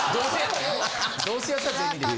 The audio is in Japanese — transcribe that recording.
どうせやったらね。